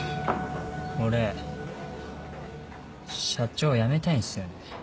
俺社長辞めたいんすよね。